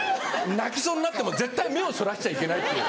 泣きそうになっても絶対目をそらしちゃいけない。